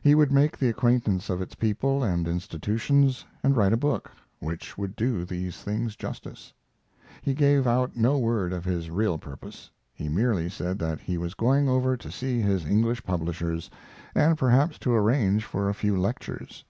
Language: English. He would make the acquaintance of its people and institutions and write a book, which would do these things justice. He gave out no word of his real purpose. He merely said that he was going over to see his English publishers, and perhaps to arrange for a few lectures.